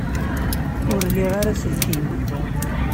Ur liɣ ara aselkim.